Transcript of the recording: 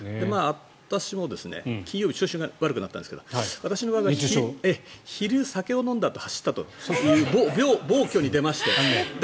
私も金曜日調子が悪くなったんですが私の場合は昼、酒を飲んだあとに走るという暴挙に出まして。